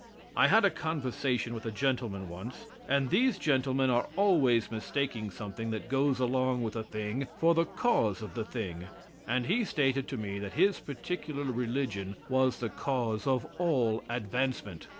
I had a conversation with a gentleman once and these gentlemen are always mistaking something that goes along with a thing for the cause of the thing and he stated to me that his particular religion was the cause of all advancement.